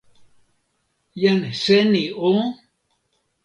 jan Seni o?